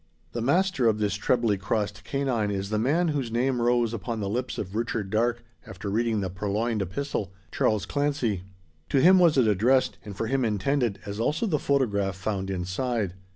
The master of this trebly crossed canine is the man whose name rose upon the lips of Richard Darke, after reading the purloined epistle Charles Clancy. To him was it addressed, and for him intended, as also the photograph found inside.